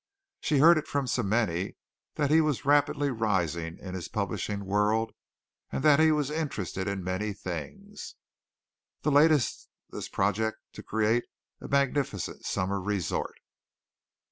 She heard it from so many that he was rapidly rising in his publishing world and that he was interested in many things, the latest this project to create a magnificent summer resort.